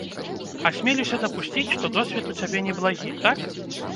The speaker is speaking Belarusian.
Асмелюся дапусціць, што досвед у цябе неблагі, так?